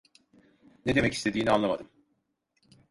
Ne demek istediğini anlamadım.